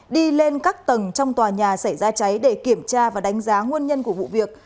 đi lên các tầng trong tòa nhà xảy ra cháy để kiểm tra và đánh giá nguyên nhân của vụ việc